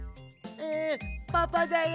んパパだよ。